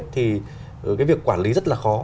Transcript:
thì cái việc quản lý rất là khó